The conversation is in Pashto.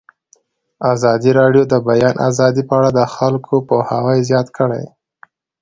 ازادي راډیو د د بیان آزادي په اړه د خلکو پوهاوی زیات کړی.